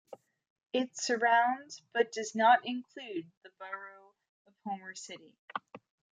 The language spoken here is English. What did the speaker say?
It surrounds but does not include the borough of Homer City.